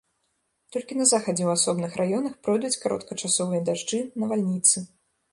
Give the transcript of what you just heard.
Толькі на захадзе ў асобных раёнах пройдуць кароткачасовыя дажджы, навальніцы.